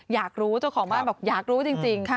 อยากรู้เจ้าของบ้านบอกอยากรู้จริง